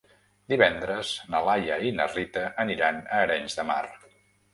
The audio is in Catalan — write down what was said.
Divendres na Laia i na Rita aniran a Arenys de Mar.